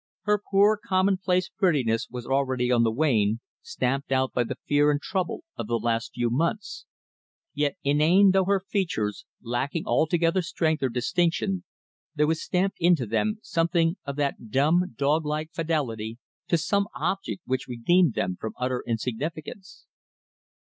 Her poor commonplace prettiness was already on the wane, stamped out by the fear and trouble of the last few months. Yet inane though her features, lacking altogether strength or distinction, there was stamped into them something of that dumb, dog like fidelity to some object which redeemed them from utter insignificance.